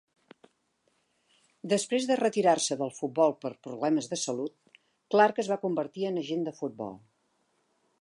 Després de retirar-se del futbol per problemes de salut, Clarke es va convertir en agent de futbol.